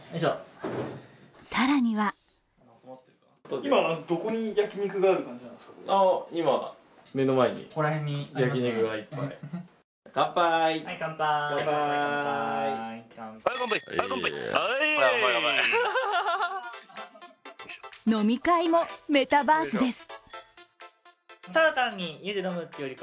更には飲み会もメタバースです。